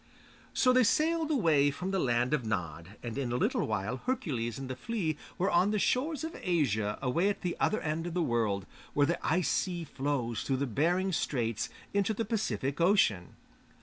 So they sailed away from the 'Land of Nod,' and in a little while Hercules and The Flea were on the shores of Asia away at the other end of the world, where the Ice Sea flows through Behring Straits into the Pacific Ocean.